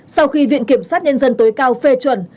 sau khi viện kiểm sát nhân dân tối cao phê chuẩn